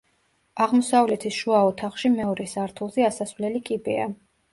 აღმოსავლეთის შუა ოთახში მეორე სართულზე ასასვლელი კიბეა.